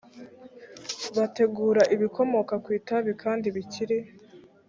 bategura ibikomoka ku itabi kandi bikiri